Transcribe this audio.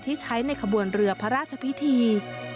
ที่ใช้ในขบวนเรือพระราชพิธี